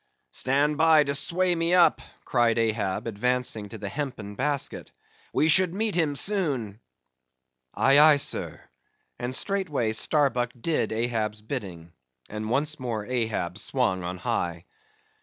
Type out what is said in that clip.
"Stand by to sway me up!" cried Ahab, advancing to the hempen basket. "We should meet him soon." "Aye, aye, sir," and straightway Starbuck did Ahab's bidding, and once more Ahab swung on high.